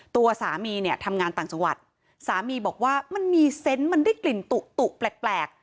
ตัวสามีเนี่ยทำงานต่างจังหวัดสามีบอกว่ามันมีเซนต์มันได้กลิ่นตุแปลกแปลก